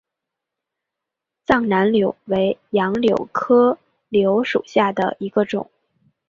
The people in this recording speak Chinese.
藏南柳为杨柳科柳属下的一个种。